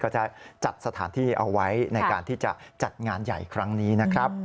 จะจัดสถานที่เอาไว้ในการที่จะจัดงานใหญ่ครั้งนี้นะครับ